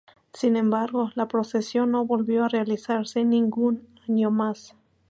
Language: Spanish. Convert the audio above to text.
Sin embargo, la procesión no volvió a realizarse ningún año más.